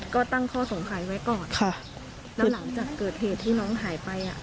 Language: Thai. ก็ตั้งข้อสงสัยไว้ก่อนค่ะแล้วหลังจากเกิดเหตุที่น้องหายไปอ่ะ